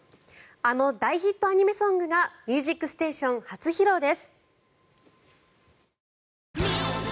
あの大ヒットアニメソングが「ミュージックステーション」初披露です。